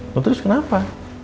loh terus kenapa